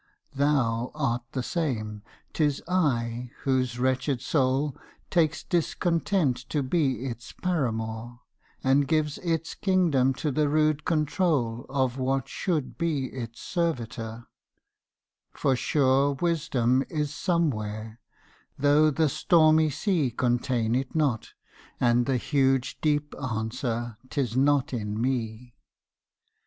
Thou art the same: 'tis I whose wretched soul Takes discontent to be its paramour, And gives its kingdom to the rude control Of what should be its servitor,—for sure Wisdom is somewhere, though the stormy sea Contain it not, and the huge deep answer ''Tis not in me.